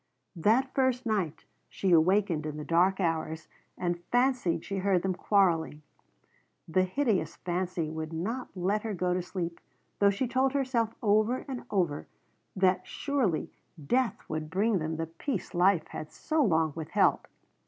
That first night she awakened in the dark hours and fancied she heard them quarreling. The hideous fancy would not let her go to sleep, though she told herself over and over that surely death would bring them the peace life had so long withheld.